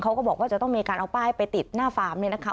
เขาก็บอกว่าจะต้องมีการเอาป้ายไปติดหน้าฟาร์มเนี่ยนะคะ